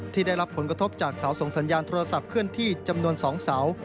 ได้รับผลกระทบจากเสาส่งสัญญาณโทรศัพท์เคลื่อนที่จำนวน๒เสา